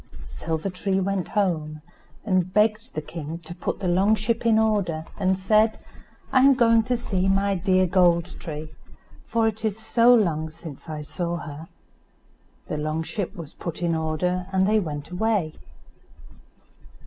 Silver tree went home, and begged the king to put the long ship in order, and said, "I am going to see my dear Gold tree, for it is so long since I saw her." The long ship was put in order, and they went away.